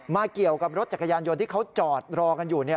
เกี่ยวกับรถจักรยานยนต์ที่เขาจอดรอกันอยู่